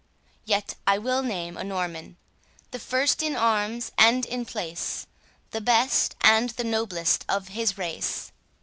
Yet I will name a Norman—the first in arms and in place—the best and the noblest of his race.